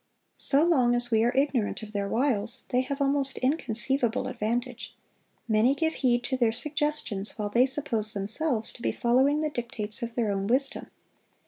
So long as we are ignorant of their wiles, they have almost inconceivable advantage; many give heed to their suggestions while they suppose themselves to be following the dictates of their own wisdom.